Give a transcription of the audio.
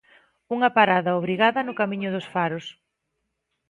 Unha parada obrigada no Camiño dos Faros.